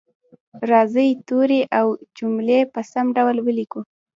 راځئ توري او جملې په سم ډول ولیکو